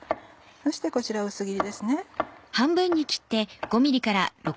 そしてこちら薄切りですね。